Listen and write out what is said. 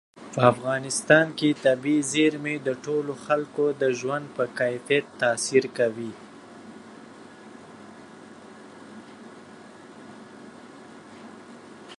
په افغانستان کې طبیعي زیرمې د ټولو خلکو د ژوند په کیفیت تاثیر کوي.